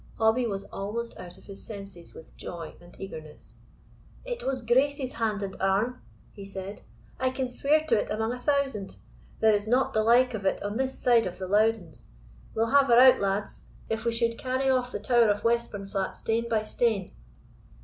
Hobbie was almost out of his senses with joy and eagerness. "It was Grace's hand and arm," he said; "I can swear to it amang a thousand. There is not the like of it on this side of the Lowdens We'll have her out, lads, if we should carry off the Tower of Westburnflat stane by stane."